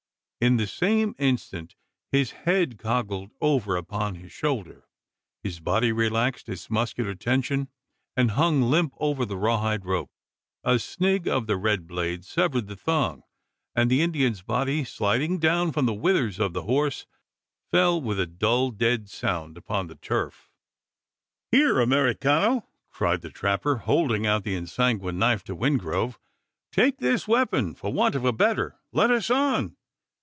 In the same instant his head coggled over upon his shoulder, his body relaxed its muscular tension, and hung limp over the raw hide rope. A snig of the red blade severed the thong; and the Indian's body sliding down from the withers of the horse, fell with a dull dead sound upon the turf. "Here Americano!" cried the trapper, holding out the ensanguined knife to Wingrove; "take this weapon for want of a better. Let us on!